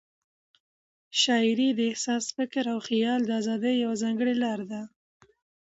شاعري د احساس، فکر او خیال د آزادۍ یوه ځانګړې لار ده.